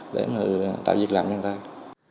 để tạo việc làm cho người ta